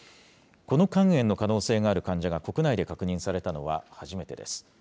この肝炎の可能性がある患者が国内で確認されたのは初めてです。